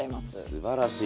すばらしい。